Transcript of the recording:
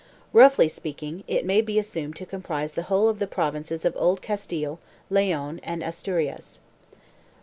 Roughly speak ing, it may be assumed to comprise the whole of the provinces of Old Castile, Leon and Asturias.